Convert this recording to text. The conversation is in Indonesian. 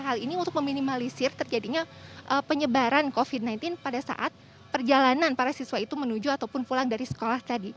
hal ini untuk meminimalisir terjadinya penyebaran covid sembilan belas pada saat perjalanan para siswa itu menuju ataupun pulang dari sekolah tadi